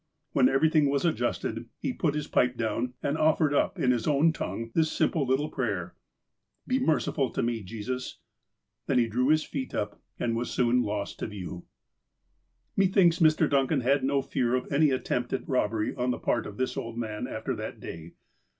When everything was adjusted, he put his pipe down, and offered up, in his own tongue, this simple little prayer :"' Be merciful to me, Jesus.' Then he drew up his feet, and was soon lost to view." Methinks Mr. Duncan had no fear of any attempt at robbery on tlie part of this old man after that day.